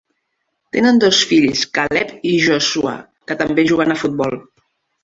Tenen dos fills, Caleb y Joshua, que també juguen a futbol.